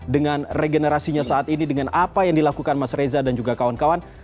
dengan regenerasinya saat ini dengan apa yang dilakukan mas reza dan juga kawan kawan